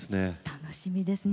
楽しみですね